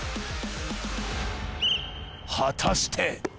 果たして。